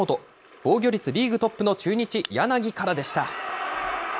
防御率リーグトップの中日、柳からでした。